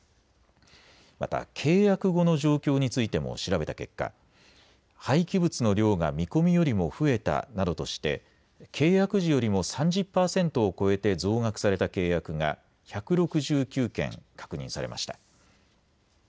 また、契約後の状況についても調べた結果、廃棄物の量が見込みよりも増えたなどとして、契約時よりも３０％を超えて増額された契約が１６９件確認されました。